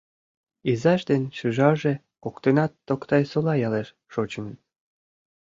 Изаж ден шӱжарже коктынат Токтай-Сола ялеш шочыныт.